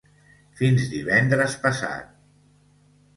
Fins divendres passat.